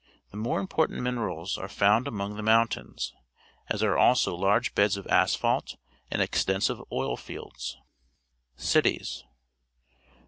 The more important minerals are found among the mountains, as are also large beds of asphalt and extensive oil fields. Cities.